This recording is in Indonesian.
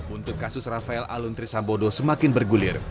untuk kasus rafael aluntri sambodo semakin bergulir